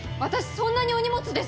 そんなにお荷物ですか！？